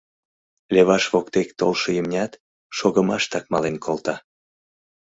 Леваш воктек толшо имнят шогымаштак мален колта.